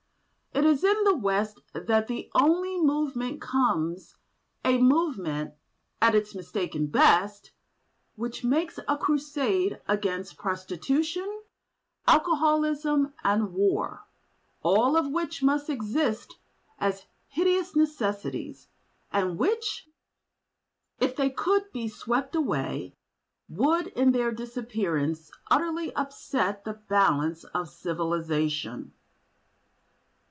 It is in the West that the only movement comes, a movement—at its mistaken best—which makes a crusade against prostitution, alcoholism, and war; all of which must exist as hideous necessities and which, if they could be swept away, would, in their disappearance, utterly upset the balance of civilisation."